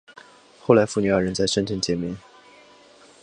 后来父女二人在深圳见面。